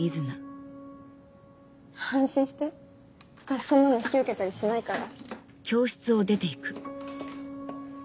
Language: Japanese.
安心して私そんなの引き受けたりしないから。